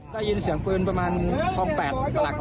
ได้ยินเสียงปืนประมาณคลอง๘ตลาด